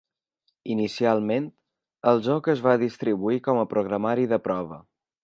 Inicialment, el joc es va distribuir com a programari de prova.